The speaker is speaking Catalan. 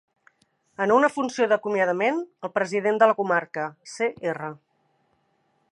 En una funció d'acomiadament, el president de la comarca, Cr.